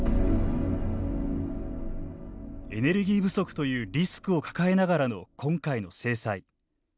エネルギー不足というリスクを抱えながらの今回の制裁。